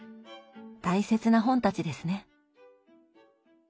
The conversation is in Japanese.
大切な本たちですね。